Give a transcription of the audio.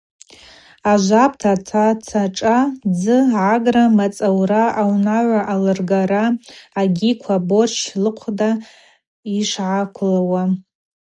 Ажвапӏта – атаца шӏа дзы гӏагра, мацӏаура, аунагӏва алыргара агьиквала аборч лыхъвда йшгӏаквылуа.